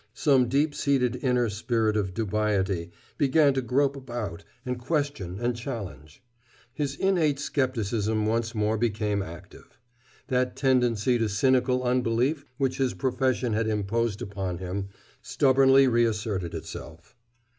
Some deep seated inner spirit of dubiety began to grope about and question and challenge. His innate skepticism once more became active. That tendency to cynical unbelief which his profession had imposed upon him stubbornly reasserted itself.